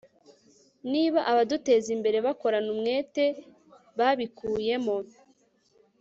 niba abadutezimbere bakorana umwete babikuyemo